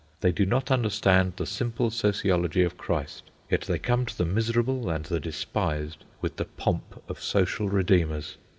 They do not understand the simple sociology of Christ, yet they come to the miserable and the despised with the pomp of social redeemers.